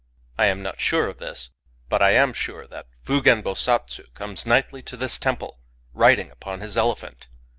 I am not sure of this. But I am sure that Fugen Bosatsu ^ comes nightly to this temple, riding upon his elephant.